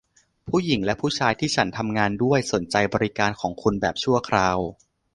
ผู้หญิงและผู้ชายที่ฉันทำงานด้วยสนใจบริการของคุณแบบชั่วคราว